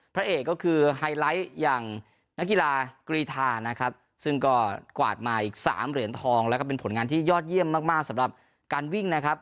พระเอกก็คือไฮไลท์อย่างนักกีฬากรีธานะครับซึ่งก็กวาดมาอีกสามเหรียญทองแล้วก็เป็นผลงานที่ยอดเยี่ยมมากมากสำหรับการวิ่งนะครับ